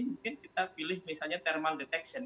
mungkin kita pilih misalnya thermal detection